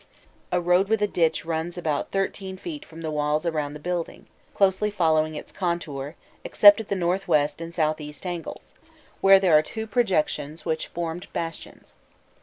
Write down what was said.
A road with a ditch runs at about thirteen feet from the walls round the building, closely following its contour, except at the north west and south east angles, where there are two projections which formed bastions.